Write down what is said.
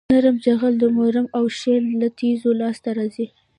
نرم جغل د مورم او شیل له تیږو لاسته راځي